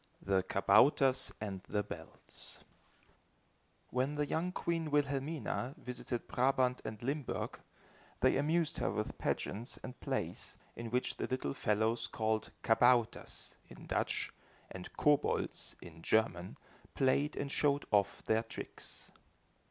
THE KABOUTERS AND THE BELLS When the young queen Wilhelmina visited Brabant and Limburg, they amused her with pageants and plays, in which the little fellows called kabouters, in Dutch, and kobolds in German, played and showed off their tricks.